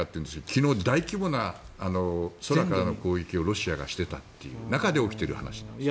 昨日、大規模な空からの攻撃をロシアがしていたという中で起きてる話なんです。